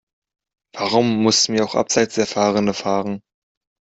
Warum mussten wir auch abseits der Fahrrinne fahren?